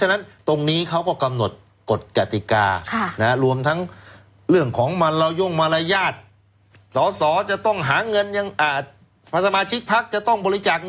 เงินบำรุงพักเออเงินบำรุงพักอ่ะค่ะสมาชิกพักต้องจ่ายน่ะ